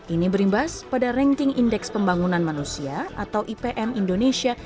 ini berimbas pada ranking indeks pembangunan manusia atau ipm indonesia